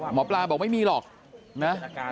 หมอปลาบอกไม่มีหรอกนะ